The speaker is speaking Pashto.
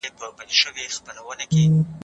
زحمت پرته راحت نشته.